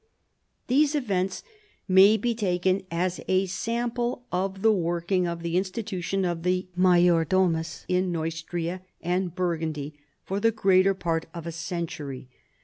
These events may be taken as a sample of the working of the institution of the major domus in Neustria and Burgundy for the greater part of a century.